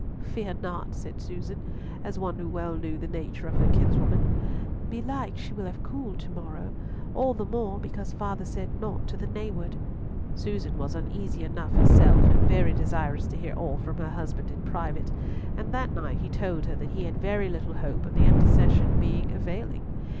"Fear not," said Susan, as one who well knew the nature of her kinswoman; "belike she will have cooled to morrow, all the more because father said naught to the nayward." Susan was uneasy enough herself, and very desirous to hear all from her husband in private. And that night he told her that he had very little hope of the intercession being availing.